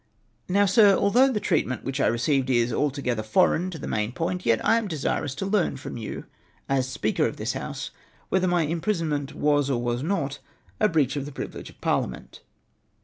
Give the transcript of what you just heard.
"Now, Sir, although the treatment which I received is altogether foreign to the main point, yet I am desirous to learn from you as Speaker of this House, whether my im prisonment was or was not a breach of the privilege of par liament